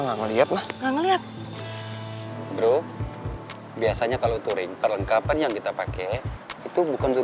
ngelihat ngelihat bro biasanya kalau turing perlengkapan yang kita pakai itu bukan tuh